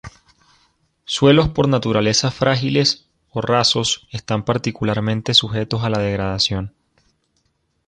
Suelos por naturaleza frágiles o rasos están particularmente sujetos a la degradación.